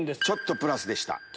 ちょっとプラスでした。